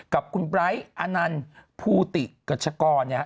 กับคุณไบร์ทอนันต์ภูติกัชกรเนี่ย